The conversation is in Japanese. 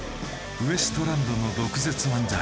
ウエストランドの毒舌漫才。